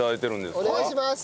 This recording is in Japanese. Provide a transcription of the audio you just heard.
お願いします。